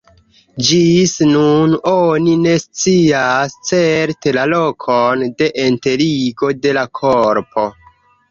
Ĝis nun oni ne scias certe la lokon de enterigo de la korpo.